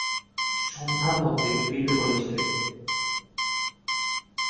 সন্ধ্যার মধ্যে ফিরবে বলেছিলে।